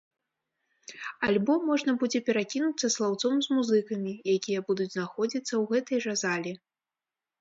Альбо можна будзе перакінуцца слаўцом з музыкамі, якія будуць знаходзіцца ў гэтай жа залі.